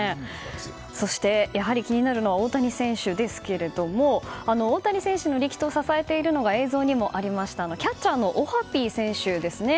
そして、やはり気になるのは大谷選手ですが大谷選手の力投を支えているのが映像にもありましたキャッチャーのオハピー選手ですね。